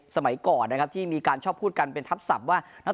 สมัยก่อนนะครับที่มีการชอบพูดกันเป็นทับศัพท์ว่า